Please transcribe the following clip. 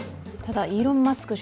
イーロン・マスク氏